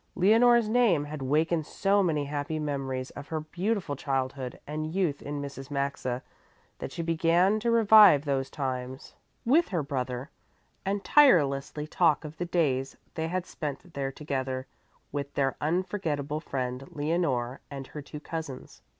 Leonore's name had wakened so many happy memories of her beautiful childhood and youth in Mrs. Maxa that she began to revive those times with her brother and tirelessly talked of the days they had spent there together with her unforgettable friend Leonore and her two cousins.